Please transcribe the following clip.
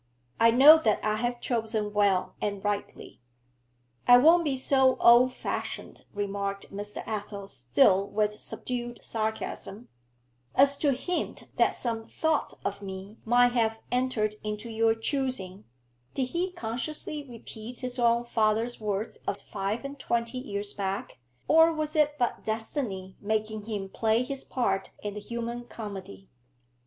I know that I have chosen well and rightly.' 'I won't be so old fashioned,' remarked Mr. Athel, still with subdued sarcasm, 'as to hint that some thought of me might have entered into your choosing' (did he consciously repeat his own father's words of five and twenty years back, or was it but destiny making him play his part in the human comedy?)